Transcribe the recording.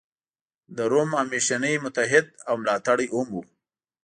د روم همېشنی متحد او ملاتړی هم و.